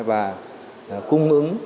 và cung ứng